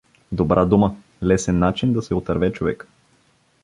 Добра дума, лесен начин да се отърве човек!